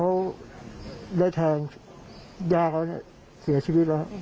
บอกว่าเขาได้แทงย่าเขาเสียชีวิตแล้ว